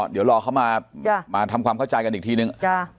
เดี๋ยวรอเขามาทำความเข้าใจกันอีกทีนึง